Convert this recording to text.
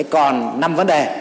còn năm vấn đề